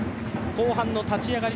後半の立ち上がり